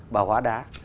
bà hóa đá